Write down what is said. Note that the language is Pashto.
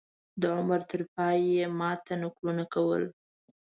د عمر تر پایه یې ما ته نکلونه کول.